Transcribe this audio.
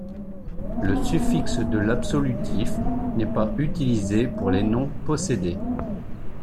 Le suffixe de l'absolutif n'est pas utilisé pour les noms possédés.